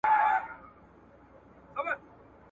زه لکه چي ژونده ډېر کلونه پوروړی یم `